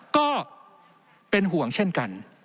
ก็เป็นห่วงเช่นกัน